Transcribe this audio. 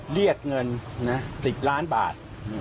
เรียกเงิน๑๐ล้านบาท